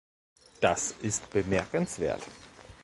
Das ist bemerkenswert.